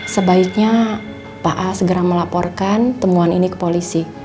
sebaiknya pak a segera melaporkan temuan ini ke polisi